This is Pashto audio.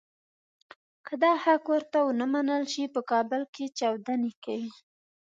که دا حق ورته ونه منل شي په کابل کې چاودنې کوي.